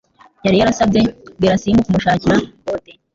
yari yarasabye Gerasim kumushakira ikote